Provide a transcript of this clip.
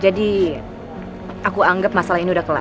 jadi aku menganggap masalah ini udah kelar